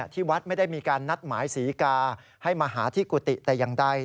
ที่วัดไม่ได้มีการนัดหมายศรีกาให้มาหาที่กุฏิแต่อย่างใด